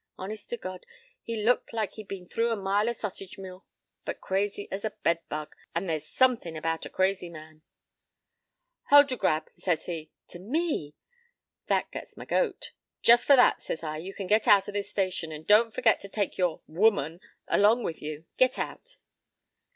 Honest to God, he looked like he'd been through a mile o' sausage mill. But crazy as a bedbug. And there's somethin' about a crazy man— "'Hold y'r gab!' says he. To me! That gets my goat. "'Just for that,' says I, 'you can get out o' this station. And don't forget to take your woman along with you. Get out!'